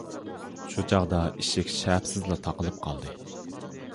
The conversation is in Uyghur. شۇ چاغدا ئىشىك شەپىسىزلا تاقىلىپ قالدى.